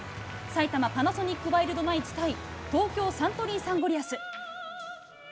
埼玉パナソニックワイルドナイツ対東京サントリーサンゴリアス。